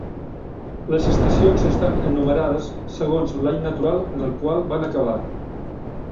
Les estacions estan enumerades segons l'any natural en el qual van acabar.